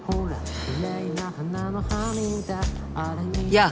やあ。